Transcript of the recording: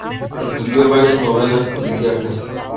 Escribió varias novelas policíacas.